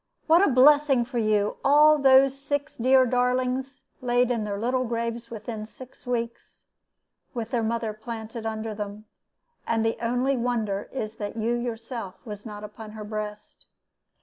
What a blessing for you! All those six dear darlings laid in their little graves within six weeks, with their mother planted under them; and the only wonder is that you yourself was not upon her breast.